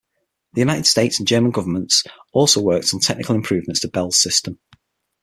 The United States and German governments also worked on technical improvements to Bell's system.